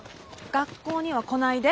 学校には来ないで。